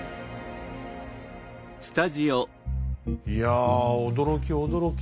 いや驚き驚き。